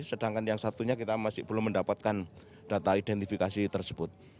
sedangkan yang satunya kita masih belum mendapatkan data identifikasi tersebut